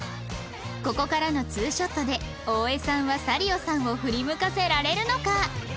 ここからのツーショットで大江さんはサリオさんを振り向かせられるのか？